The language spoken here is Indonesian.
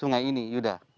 sungai ini yuda